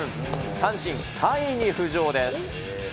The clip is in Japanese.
阪神、３位に浮上です。